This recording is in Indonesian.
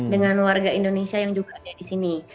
dengan warga indonesia yang juga ada di sini